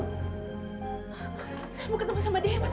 saya mau ketemu sama dia mas